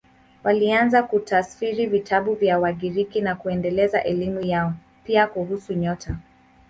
Walianza kutafsiri vitabu vya Wagiriki na kuendeleza elimu yao, pia kuhusu nyota.